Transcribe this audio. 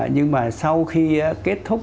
nhưng mà sau khi kết thúc